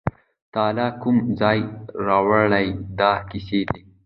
تاله کوم ځایه راوړي دا کیسې دي